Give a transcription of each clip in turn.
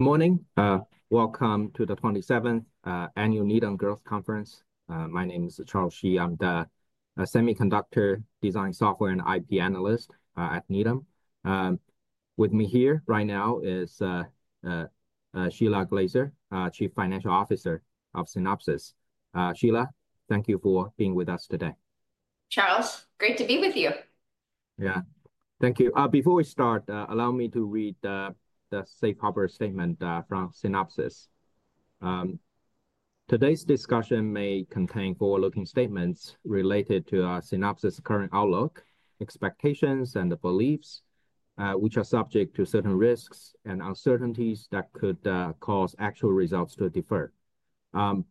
Good morning. Welcome to the 27th Annual Needham Growth Conference. My name is Charles Shi. I'm the Semiconductor Design Software and IP Analyst at Needham. With me here right now is Shelagh Glaser, Chief Financial Officer of Synopsys. Shelagh, thank you for being with us today. Charles, great to be with you. Yeah, thank you. Before we start, allow me to read the safe harbor statement from Synopsys. Today's discussion may contain forward-looking statements related to Synopsys' current outlook, expectations, and beliefs, which are subject to certain risks and uncertainties that could cause actual results to differ.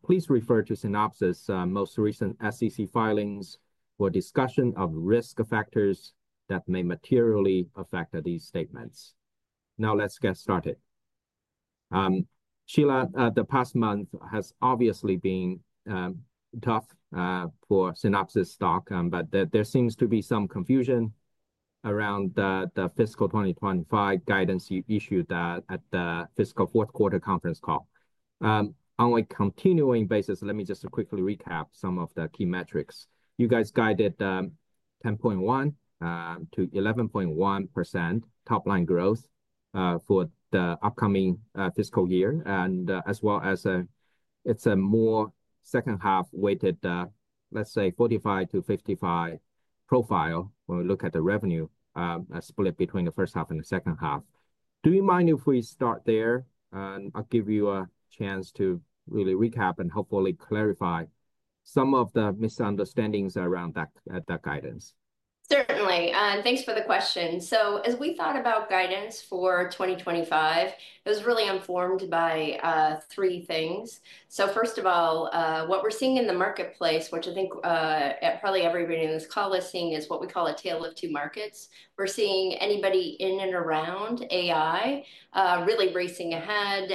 Please refer to Synopsys' most recent SEC filings for discussion of risk factors that may materially affect these statements. Now let's get started. Shelagh, the past month has obviously been tough for Synopsys stock, but there seems to be some confusion around the fiscal 2025 guidance issue at the fiscal fourth quarter conference call. On a continuing basis, let me just quickly recap some of the key metrics. You guys guided 10.1%-11.1% top line growth for the upcoming fiscal year, and as well as it's a more second half weighted, let's say 45%-55% profile when we look at the revenue split between the first half and the second half. Do you mind if we start there and I'll give you a chance to really recap and hopefully clarify some of the misunderstandings around that guidance? Certainly. Thanks for the question. So as we thought about guidance for 2025, it was really informed by three things. So first of all, what we're seeing in the marketplace, which I think probably everybody on this call is seeing, is what we call a tale of two markets. We're seeing anybody in and around AI really racing ahead.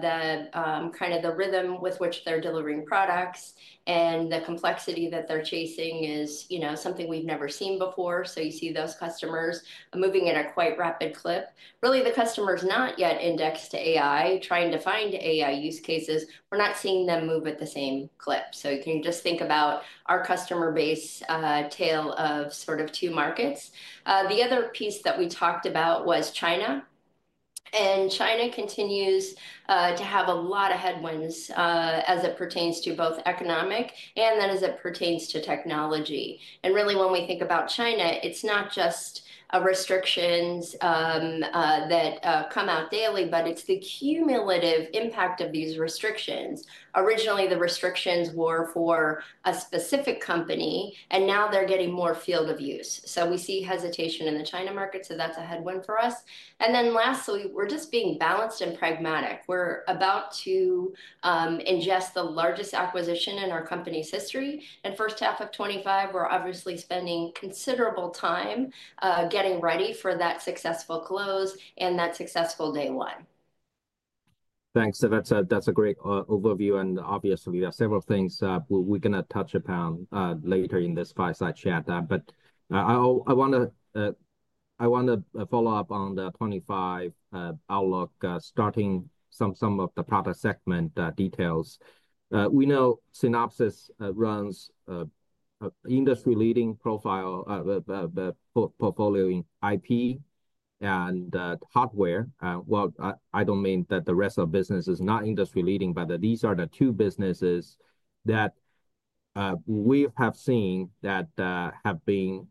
The kind of the rhythm with which they're delivering products and the complexity that they're chasing is something we've never seen before. So you see those customers moving at a quite rapid clip. Really, the customers not yet indexed to AI, trying to find AI use cases. We're not seeing them move at the same clip. So you can just think about our customer base, tale of sort of two markets. The other piece that we talked about was China. China continues to have a lot of headwinds as it pertains to both economic and then as it pertains to technology. Really, when we think about China, it's not just restrictions that come out daily, but it's the cumulative impact of these restrictions. Originally, the restrictions were for a specific company, and now they're getting more field of use. So we see hesitation in the China market, so that's a headwind for us. Then lastly, we're just being balanced and pragmatic. We're about to ingest the largest acquisition in our company's history. First half of 2025, we're obviously spending considerable time getting ready for that successful close and that successful day one. Thanks. So that's a great overview. And obviously, there are several things we're going to touch upon later in this fireside chat. But I want to follow up on the 2025 outlook starting some of the product segment details. We know Synopsys runs an industry-leading portfolio in IP and hardware. Well, I don't mean that the rest of the business is not industry-leading, but these are the two businesses that we have seen that have been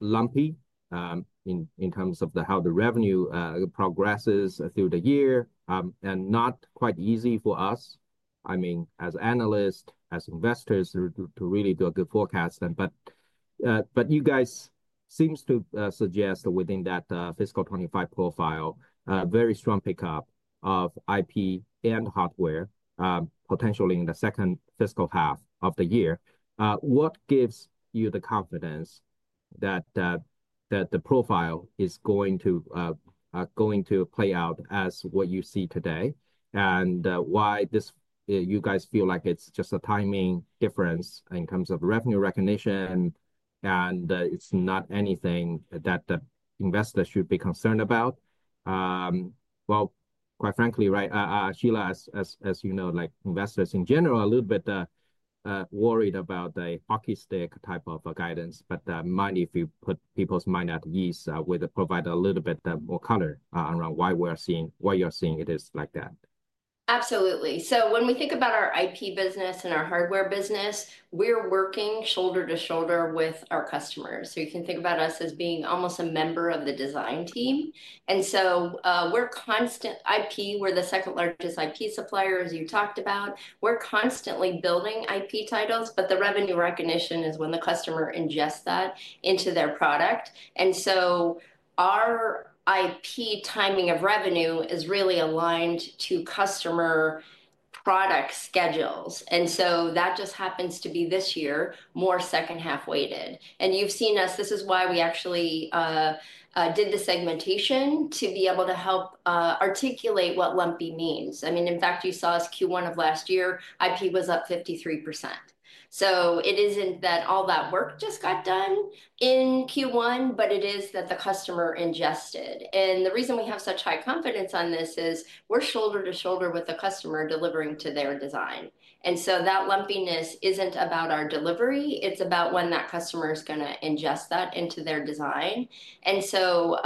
lumpy in terms of how the revenue progresses through the year and not quite easy for us, I mean, as analysts, as investors to really do a good forecast. But you guys seem to suggest within that fiscal 2025 profile, a very strong pickup of IP and hardware potentially in the second fiscal half of the year. What gives you the confidence that the profile is going to play out as what you see today? And why do you guys feel like it's just a timing difference in terms of revenue recognition and it's not anything that the investor should be concerned about? Well, quite frankly, right, Shelagh, as you know, investors in general are a little bit worried about the hockey stick type of guidance. But let me put people's minds at ease by providing a little bit more color around why we are seeing what you're seeing. It is like that? Absolutely. So when we think about our IP business and our hardware business, we're working shoulder to shoulder with our customers. So you can think about us as being almost a member of the design team. And so we're constant IP. We're the second largest IP supplier, as you talked about. We're constantly building IP titles, but the revenue recognition is when the customer ingests that into their product. And so our IP timing of revenue is really aligned to customer product schedules. And so that just happens to be this year more second half weighted. And you've seen us, this is why we actually did the segmentation to be able to help articulate what lumpy means. I mean, in fact, you saw us Q1 of last year, IP was up 53%. So it isn't that all that work just got done in Q1, but it is that the customer ingested. And the reason we have such high confidence on this is we're shoulder to shoulder with the customer delivering to their design. And so that lumpiness isn't about our delivery. It's about when that customer is going to ingest that into their design. And so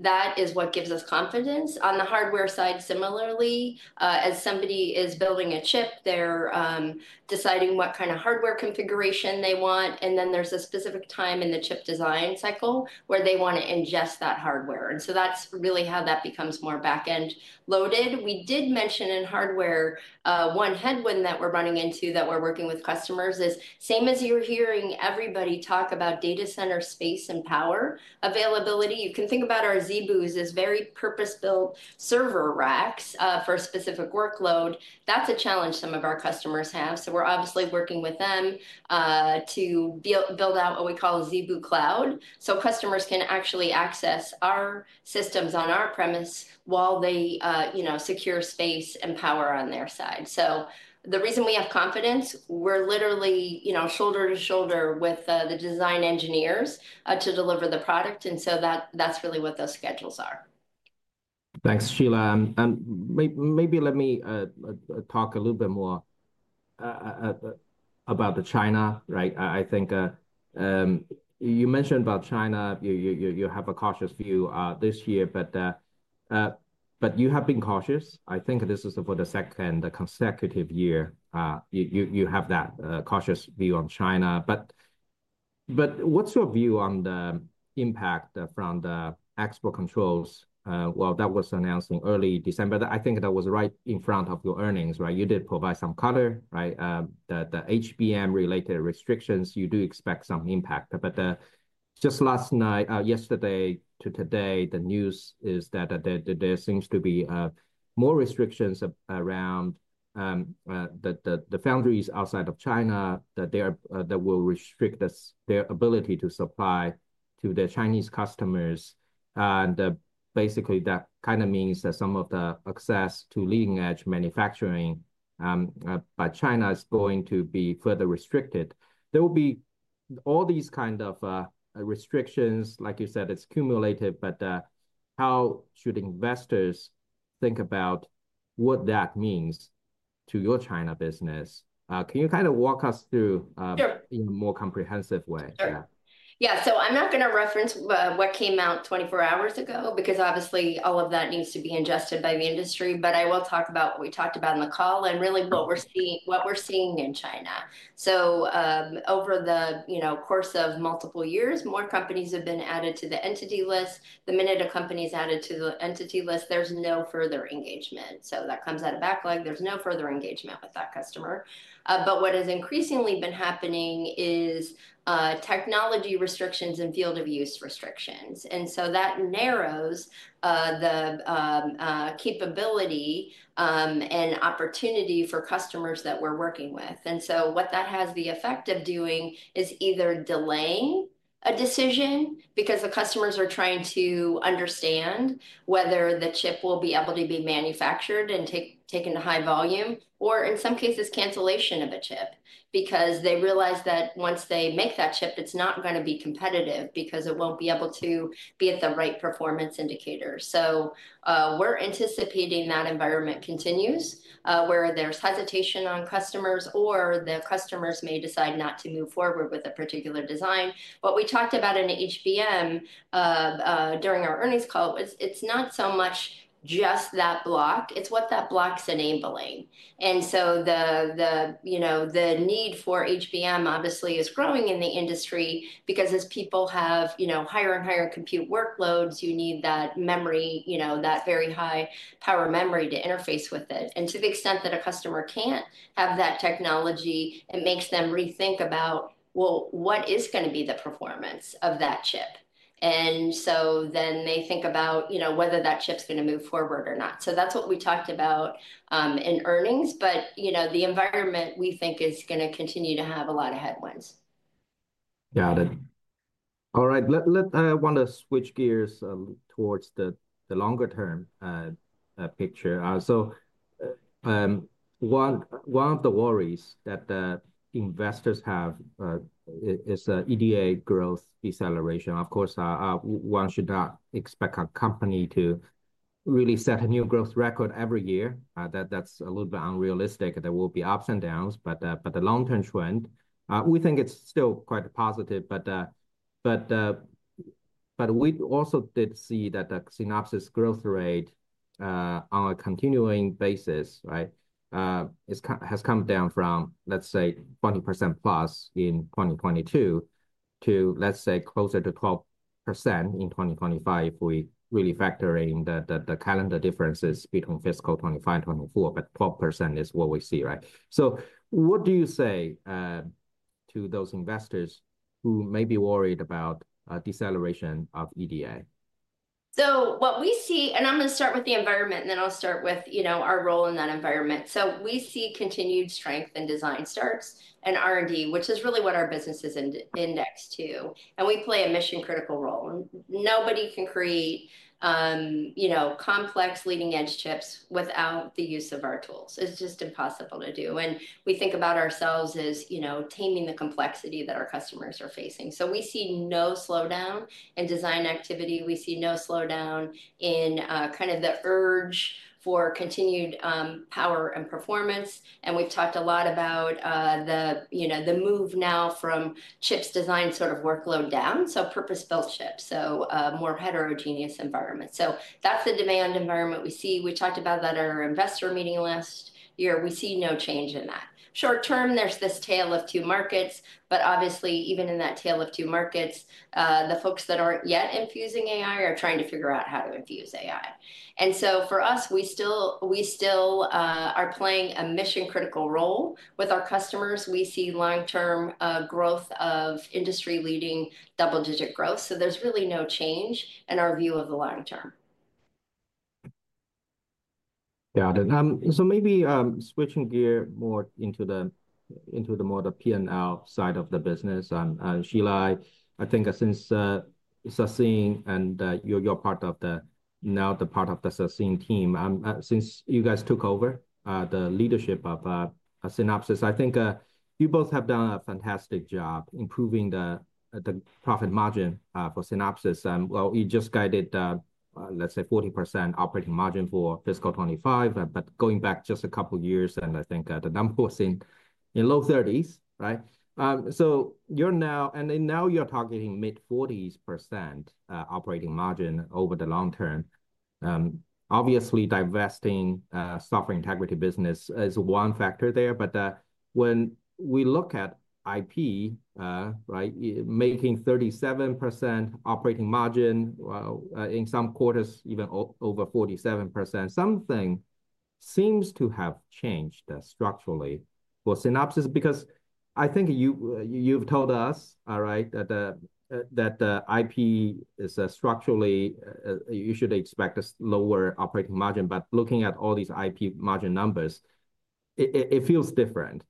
that is what gives us confidence. On the hardware side, similarly, as somebody is building a chip, they're deciding what kind of hardware configuration they want. And then there's a specific time in the chip design cycle where they want to ingest that hardware. And so that's really how that becomes more back-end loaded. We did mention in hardware one headwind that we're running into that we're working with customers is, same as you're hearing everybody talk about data center space and power availability. You can think about our ZeBu as very purpose-built server racks for a specific workload. That's a challenge some of our customers have. So we're obviously working with them to build out what we call ZeBu Cloud so customers can actually access our systems on our premises while they secure space and power on their side, so the reason we have confidence, we're literally shoulder to shoulder with the design engineers to deliver the product, and so that's really what those schedules are. Thanks, Shelagh, and maybe let me talk a little bit more about China, right? I think you mentioned about China. You have a cautious view this year, but you have been cautious. I think this is for the second consecutive year you have that cautious view on China, but what's your view on the impact from the export controls? Well, that was announced in early December. I think that was right in front of your earnings, right? You did provide some color, right? The HBM-related restrictions, you do expect some impact, but just last night, yesterday to today, the news is that there seems to be more restrictions around the foundries outside of China that will restrict their ability to supply to their Chinese customers, and basically, that kind of means that some of the access to leading-edge manufacturing by China is going to be further restricted. There will be all these kind of restrictions. Like you said, it's cumulative, but how should investors think about what that means to your China business? Can you kind of walk us through in a more comprehensive way? Yeah. Yeah. So I'm not going to reference what came out 24 hours ago because obviously all of that needs to be ingested by the industry. But I will talk about what we talked about in the call and really what we're seeing in China. So over the course of multiple years, more companies have been added to the Entity List. The minute a company is added to the Entity List, there's no further engagement. So that comes at a backlog. There's no further engagement with that customer. But what has increasingly been happening is technology restrictions and field of use restrictions. And so that narrows the capability and opportunity for customers that we're working with. And so what that has the effect of doing is either delaying a decision because the customers are trying to understand whether the chip will be able to be manufactured and taken to high volume, or in some cases, cancellation of a chip because they realize that once they make that chip, it's not going to be competitive because it won't be able to be at the right performance indicator. So we're anticipating that environment continues where there's hesitation on customers or the customers may decide not to move forward with a particular design. What we talked about in HBM during our earnings call. It's not so much just that block, it's what that block's enabling. And so the need for HBM obviously is growing in the industry because as people have higher and higher compute workloads, you need that memory, that very high power memory to interface with it. To the extent that a customer can't have that technology, it makes them rethink about, well, what is going to be the performance of that chip? And so then they think about whether that chip's going to move forward or not. So that's what we talked about in earnings, but the environment we think is going to continue to have a lot of headwinds. Got it. All right. I want to switch gears towards the longer-term picture. So one of the worries that investors have is EDA growth deceleration. Of course, one should not expect a company to really set a new growth record every year. That's a little bit unrealistic. There will be ups and downs, but the long-term trend, we think it's still quite positive. But we also did see that the Synopsys growth rate on a continuing basis has come down from, let's say, 20%+ in 2022 to, let's say, closer to 12% in 2025 if we really factor in the calendar differences between fiscal 2025 and 2024. But 12% is what we see, right? So what do you say to those investors who may be worried about deceleration of EDA? So what we see, and I'm going to start with the environment, and then I'll start with our role in that environment. So we see continued strength in design starts and R&D, which is really what our business is indexed to. And we play a mission-critical role. Nobody can create complex leading-edge chips without the use of our tools. It's just impossible to do. And we think about ourselves as taming the complexity that our customers are facing. So we see no slowdown in design activity. We see no slowdown in kind of the urge for continued power and performance. And we've talked a lot about the move now from chips design sort of workload down. So purpose-built chips, so more heterogeneous environments. So that's the demand environment we see. We talked about that at our investor meeting last year. We see no change in that. Short term, there's this tale of two markets. But obviously, even in that tale of two markets, the folks that aren't yet infusing AI are trying to figure out how to infuse AI. And so for us, we still are playing a mission-critical role with our customers. We see long-term growth of industry-leading double-digit growth. So there's really no change in our view of the long term. Got it. So maybe switching gear more into the P&L side of the business. Shelagh, I think since Sassine and you're part of the Sassine team, since you guys took over the leadership of Synopsys, I think you both have done a fantastic job improving the profit margin for Synopsys. Well, you just guided, let's say, 40% operating margin for fiscal 2025. But going back just a couple of years, and I think the number was in low 30s, right? So you're now targeting mid-40s% operating margin over the long term. Obviously, divesting software integrity business is one factor there. But when we look at IP, right, making 37% operating margin in some quarters, even over 47%, something seems to have changed structurally for Synopsys because I think you've told us, right, that the IP is structurally. You should expect a lower operating margin. But looking at all these IP margin numbers, it feels different.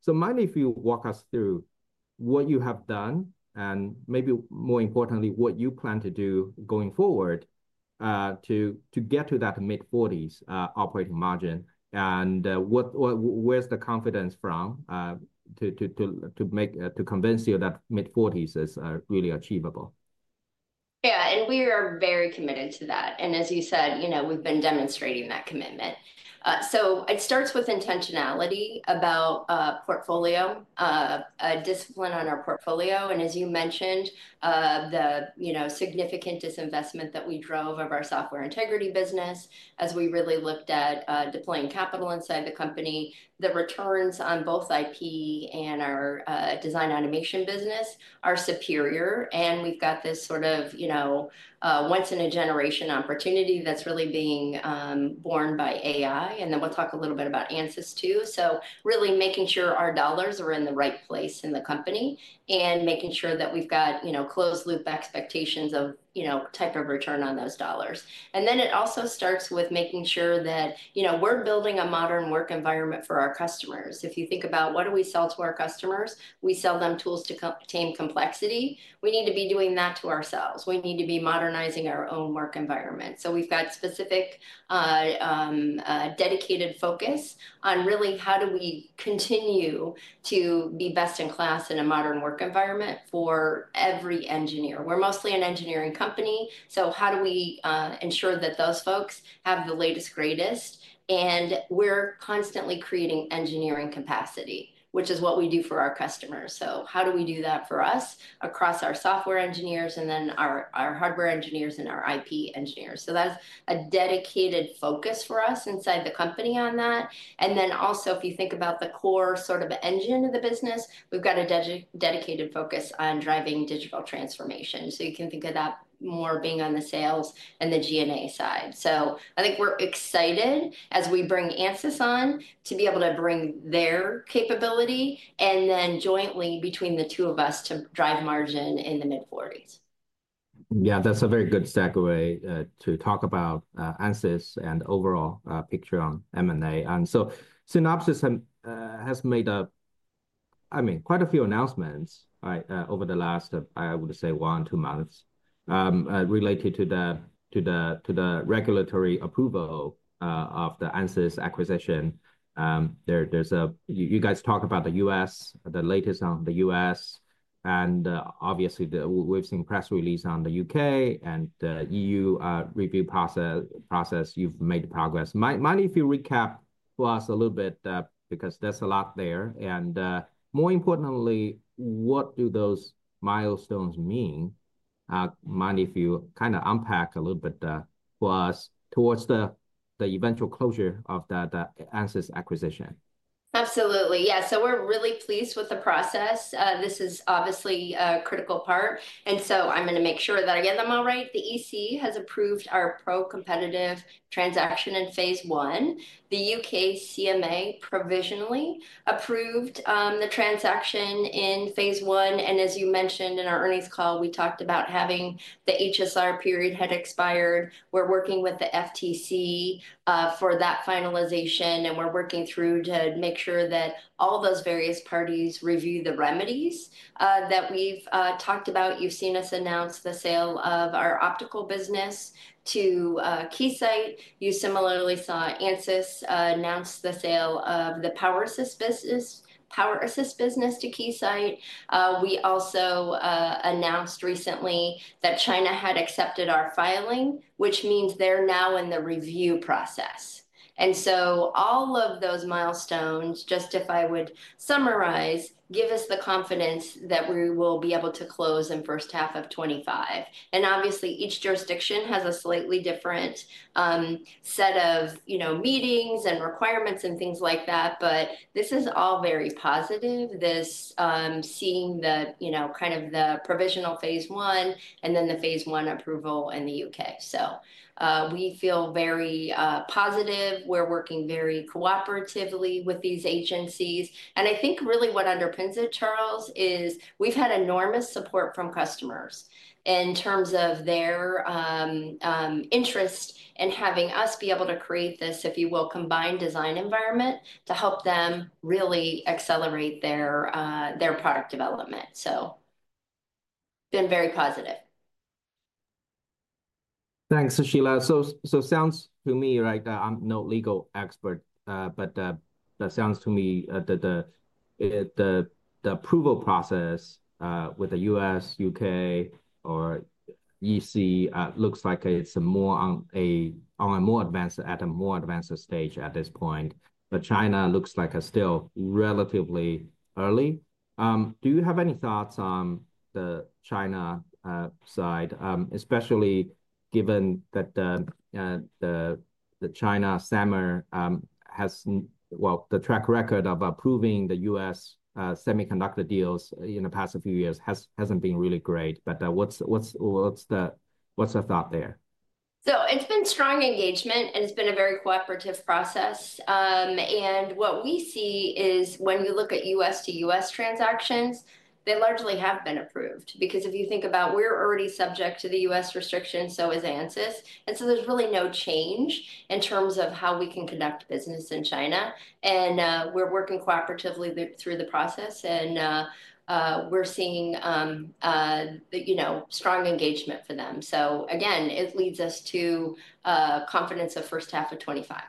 So, mind if you walk us through what you have done and, maybe more importantly, what you plan to do going forward to get to that mid-40s% operating margin and where's the confidence from to convince you that mid-40s% is really achievable? Yeah. And we are very committed to that. And as you said, we've been demonstrating that commitment. So it starts with intentionality about portfolio, discipline on our portfolio. And as you mentioned, the significant disinvestment that we drove of our software integrity business as we really looked at deploying capital inside the company, the returns on both IP and our design automation business are superior. And we've got this sort of once-in-a-generation opportunity that's really being born by AI. And then we'll talk a little bit about Ansys too. So really making sure our dollars are in the right place in the company and making sure that we've got closed-loop expectations of type of return on those dollars. And then it also starts with making sure that we're building a modern work environment for our customers. If you think about what do we sell to our customers, we sell them tools to tame complexity. We need to be doing that to ourselves. We need to be modernizing our own work environment. So we've got specific dedicated focus on really how do we continue to be best in class in a modern work environment for every engineer. We're mostly an engineering company. So how do we ensure that those folks have the latest, greatest? And we're constantly creating engineering capacity, which is what we do for our customers. So how do we do that for us across our software engineers and then our hardware engineers and our IP engineers? So that's a dedicated focus for us inside the company on that. And then also, if you think about the core sort of engine of the business, we've got a dedicated focus on driving digital transformation. So you can think of that more being on the sales and the G&A side. So I think we're excited as we bring Ansys on to be able to bring their capability and then jointly between the two of us to drive margin in the mid-40s. Yeah, that's a very good segue to talk about Ansys and overall picture on M&A. So Synopsys has made, I mean, quite a few announcements over the last, I would say, one or two months related to the regulatory approval of the Ansys acquisition. You guys talk about the U.S., the latest on the U.S. And obviously, we've seen press releases on the U.K. and the E.U. review process. You've made progress. Mind if you recap for us a little bit because there's a lot there? And more importantly, what do those milestones mean? Mind if you kind of unpack a little bit for us towards the eventual closure of that Ansys acquisition? Absolutely. Yeah. So we're really pleased with the process. This is obviously a critical part. And so I'm going to make sure that I get them all right. The EC has approved our pro-competitive transaction in phase one. The UK CMA provisionally approved the transaction in phase one. And as you mentioned in our earnings call, we talked about having the HSR period had expired. We're working with the FTC for that finalization. And we're working through to make sure that all those various parties review the remedies that we've talked about. You've seen us announce the sale of our optical business to Keysight. You similarly saw Ansys announce the sale of the PowerArtist business to Keysight. We also announced recently that China had accepted our filing, which means they're now in the review process. And so all of those milestones, just if I would summarize, give us the confidence that we will be able to close in the first half of 2025. And obviously, each jurisdiction has a slightly different set of meetings and requirements and things like that. But this is all very positive, seeing kind of the provisional phase one and then the phase one approval in the U.K. So we feel very positive. We're working very cooperatively with these agencies. And I think really what underpins it, Charles, is we've had enormous support from customers in terms of their interest in having us be able to create this, if you will, combined design environment to help them really accelerate their product development. So been very positive. Thanks, Shelagh. So sounds to me, right? I'm no legal expert, but that sounds to me that the approval process with the U.S., U.K., or E.C. looks like it's on a more advanced stage at this point. But China looks like still relatively early. Do you have any thoughts on the China side, especially given that the Chinese, well, the track record of approving the U.S. semiconductor deals in the past few years hasn't been really great. But what's the thought there? So it's been strong engagement, and it's been a very cooperative process. And what we see is when you look at U.S. to U.S. transactions, they largely have been approved because if you think about we're already subject to the U.S. restrictions, so is Ansys. And so there's really no change in terms of how we can conduct business in China. And we're working cooperatively through the process, and we're seeing strong engagement for them. So again, it leads us to confidence of first half of 2025.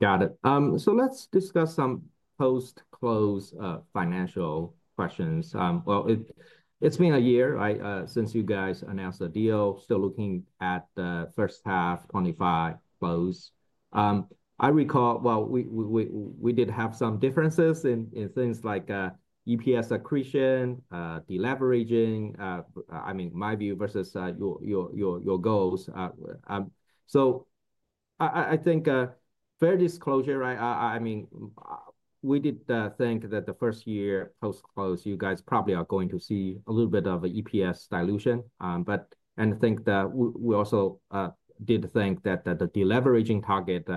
Got it. So let's discuss some post-close financial questions. Well, it's been a year since you guys announced a deal, still looking at the first half 2025 close. I recall, well, we did have some differences in things like EPS accretion, deleveraging, I mean, my view versus your goals. So I think fair disclosure, right? I mean, we did think that the first year post-close, you guys probably are going to see a little bit of EPS dilution. And I think that we also did think that the deleveraging target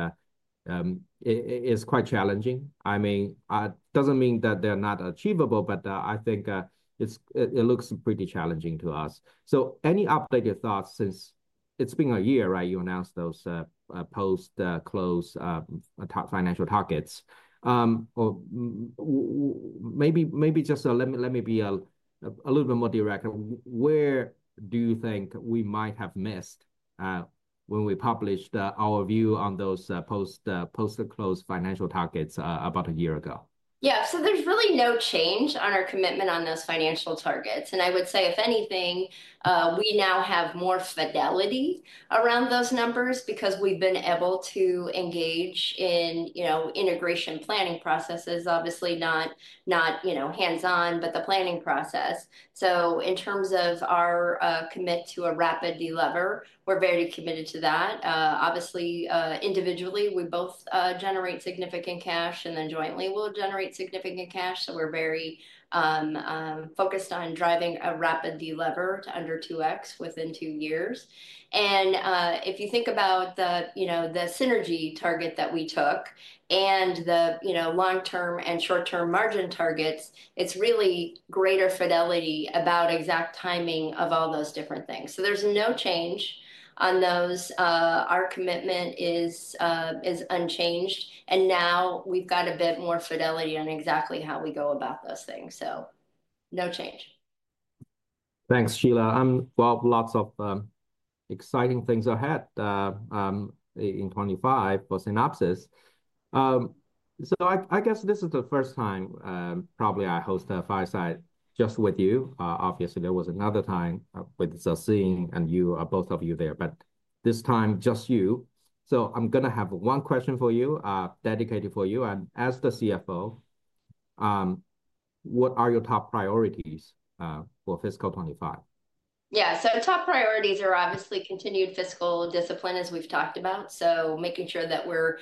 is quite challenging. I mean, it doesn't mean that they're not achievable, but I think it looks pretty challenging to us. So any updated thoughts since it's been a year, right? You announced those post-close financial targets. Maybe just let me be a little bit more direct. Where do you think we might have missed when we published our view on those post-close financial targets about a year ago? Yeah, so there's really no change on our commitment on those financial targets, and I would say, if anything, we now have more fidelity around those numbers because we've been able to engage in integration planning processes, obviously not hands-on, but the planning process, so in terms of our commitment to a rapid delever, we're very committed to that. Obviously, individually, we both generate significant cash, and then jointly, we'll generate significant cash, so we're very focused on driving a rapid delever to under 2x within two years, and if you think about the synergy target that we took and the long-term and short-term margin targets, it's really greater fidelity about exact timing of all those different things, so there's no change on those. Our commitment is unchanged, and now we've got a bit more fidelity on exactly how we go about those things, so no change. Thanks, Shelagh. Well, lots of exciting things ahead in 2025 for Synopsys, so I guess this is the first time probably I host a fireside just with you. Obviously, there was another time with Sassine and both of you there, but this time just you, so I'm going to have one question for you, dedicated for you, and as the CFO, what are your top priorities for fiscal 2025? Yeah. So top priorities are obviously continued fiscal discipline, as we've talked about. So making sure that we're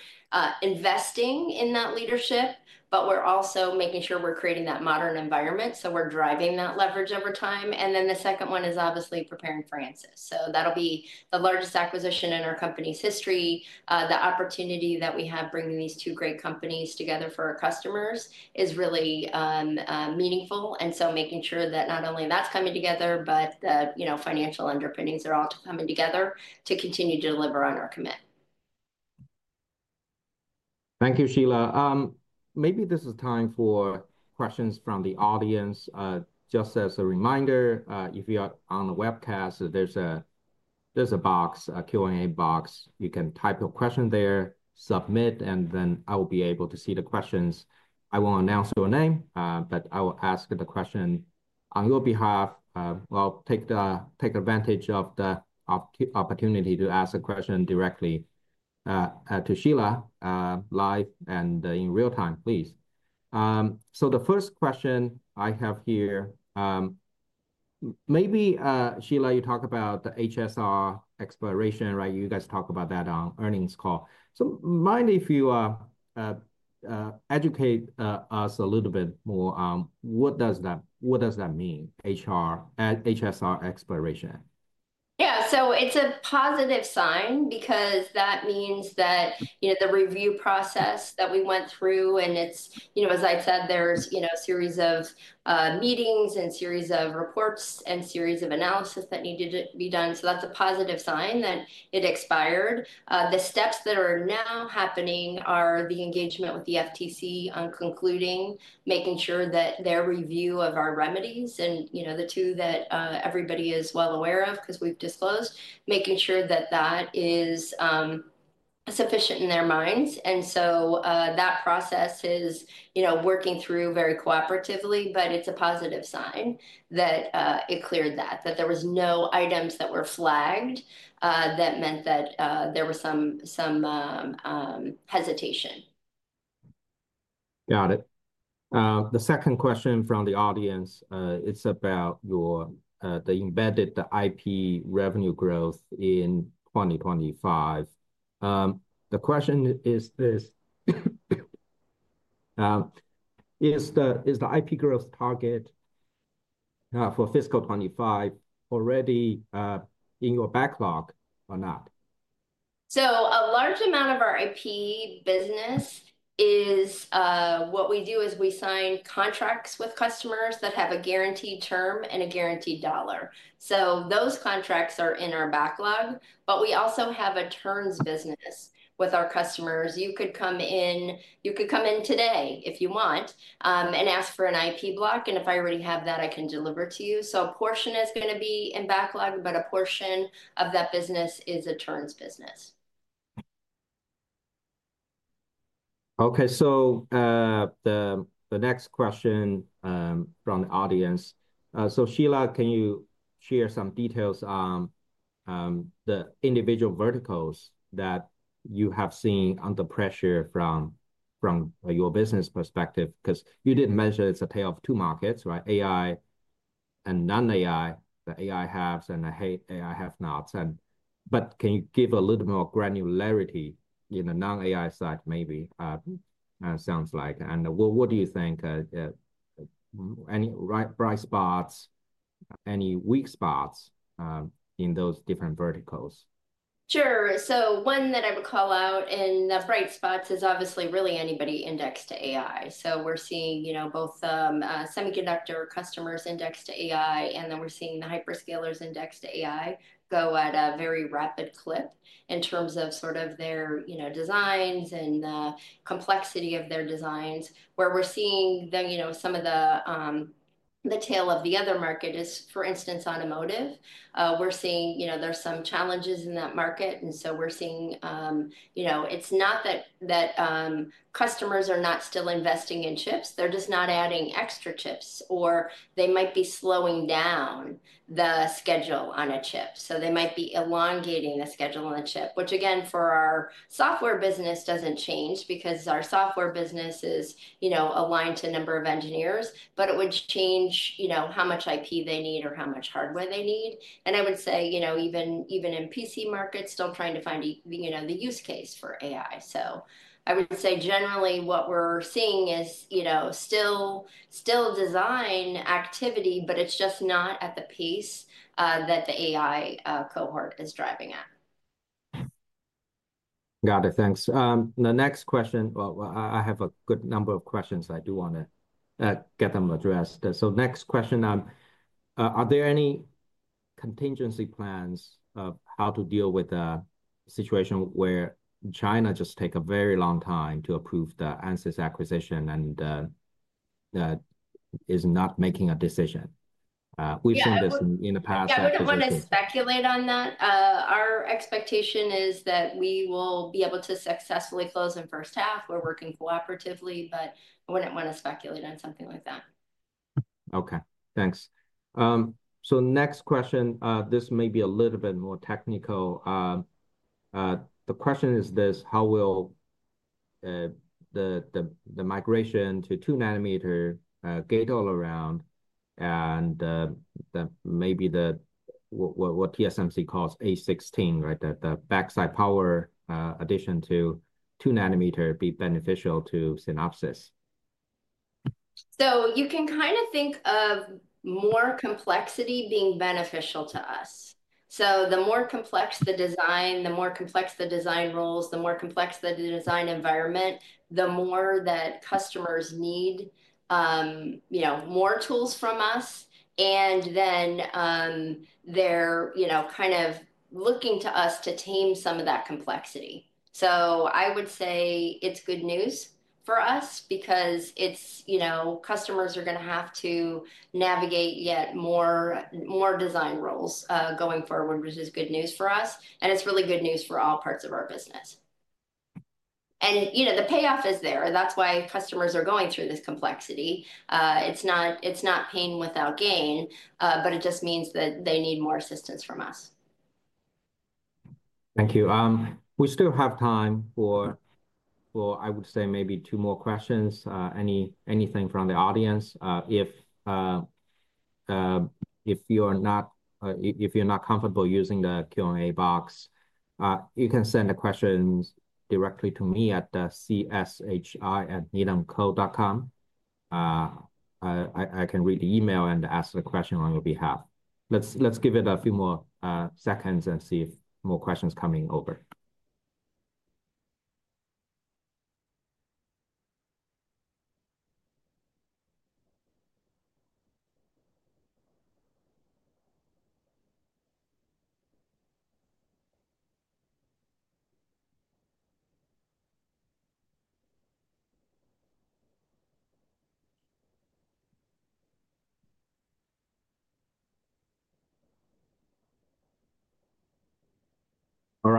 investing in that leadership, but we're also making sure we're creating that modern environment. So we're driving that leverage over time. And then the second one is obviously preparing for Ansys. So that'll be the largest acquisition in our company's history. The opportunity that we have bringing these two great companies together for our customers is really meaningful. And so making sure that not only that's coming together, but the financial underpinnings are all coming together to continue to deliver on our commit. Thank you, Shelagh. Maybe this is time for questions from the audience. Just as a reminder, if you're on the webcast, there's a box, a Q&A box. You can type your question there, submit, and then I will be able to see the questions. I won't announce your name, but I will ask the question on your behalf. I'll take advantage of the opportunity to ask a question directly to Shelagh live and in real time, please. The first question I have here, maybe Shelagh, you talk about the HSR expiration, right? You guys talk about that on earnings call. So mind if you educate us a little bit more. What does that mean, HSR expiration? Yeah. So it's a positive sign because that means that the review process that we went through, and as I said, there's a series of meetings and a series of reports and a series of analysis that needed to be done. So that's a positive sign that it expired. The steps that are now happening are the engagement with the FTC on concluding, making sure that their review of our remedies and the two that everybody is well aware of because we've disclosed, making sure that that is sufficient in their minds. And so that process is working through very cooperatively, but it's a positive sign that it cleared that, that there were no items that were flagged that meant that there was some hesitation. Got it. The second question from the audience, it's about the embedded IP revenue growth in 2025. The question is this. Is the IP growth target for fiscal 2025 already in your backlog or not? So a large amount of our IP business is what we do is we sign contracts with customers that have a guaranteed term and a guaranteed dollar. So those contracts are in our backlog, but we also have a terms business with our customers. You could come in today if you want and ask for an IP block, and if I already have that, I can deliver to you. So a portion is going to be in backlog, but a portion of that business is a terms business. Okay. So the next question from the audience. So Shelagh, can you share some details on the individual verticals that you have seen under pressure from your business perspective? Because you did mention it's a tale of two markets, right? AI and non-AI, the AI haves and the AI have nots. But can you give a little more granularity in the non-AI side, maybe? Sounds like. And what do you think? Any bright spots, any weak spots in those different verticals? Sure. So one that I would call out in the bright spots is obviously really anybody indexed to AI. So we're seeing both semiconductor customers indexed to AI, and then we're seeing the hyperscalers indexed to AI go at a very rapid clip in terms of sort of their designs and the complexity of their designs. Where we're seeing some of the tail of the other market is, for instance, automotive. We're seeing there's some challenges in that market. And so we're seeing it's not that customers are not still investing in chips. They're just not adding extra chips, or they might be slowing down the schedule on a chip. They might be elongating the schedule on a chip, which again, for our software business doesn't change because our software business is aligned to a number of engineers, but it would change how much IP they need or how much hardware they need. I would say even in PC markets, still trying to find the use case for AI. I would say generally what we're seeing is still design activity, but it's just not at the pace that the AI cohort is driving at. Got it. Thanks. The next question. Well, I have a good number of questions. I do want to get them addressed. So next question. Are there any contingency plans of how to deal with a situation where China just takes a very long time to approve the Ansys acquisition and is not making a decision? We've seen this in the past. I wouldn't want to speculate on that. Our expectation is that we will be able to successfully close in the first half. We're working cooperatively, but I wouldn't want to speculate on something like that. Okay. Thanks. So next question. This may be a little bit more technical. The question is this. How will the migration to 2-nm gate-all-around and maybe what TSMC calls A16, right? The backside power addition to 2-nm be beneficial to Synopsys? You can kind of think of more complexity being beneficial to us. The more complex the design, the more complex the design rules, the more complex the design environment, the more that customers need more tools from us. Then they're kind of looking to us to tame some of that complexity. I would say it's good news for us because customers are going to have to navigate yet more design rules going forward, which is good news for us. It's really good news for all parts of our business. The payoff is there. That's why customers are going through this complexity. It's not pain without gain, but it just means that they need more assistance from us. Thank you. We still have time for, I would say, maybe two more questions. Anything from the audience? If you're not comfortable using the Q&A box, you can send the questions directly to me at cshi@needhamco.com. I can read the email and ask the question on your behalf. Let's give it a few more seconds and see if more questions are coming over.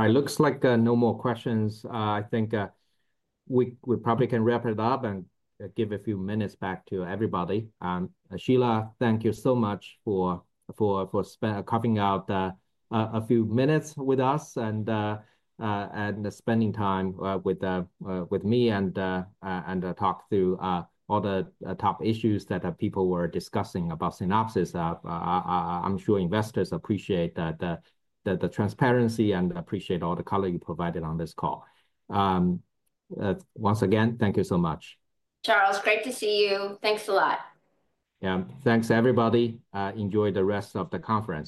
All right. Looks like no more questions. I think we probably can wrap it up and give a few minutes back to everybody. Shelagh, thank you so much for carving out a few minutes with us and spending time with me and talk through all the top issues that people were discussing about Synopsys. I'm sure investors appreciate the transparency and appreciate all the color you provided on this call. Once again, thank you so much. Charles, great to see you. Thanks a lot. Yeah. Thanks, everybody. Enjoy the rest of the conference.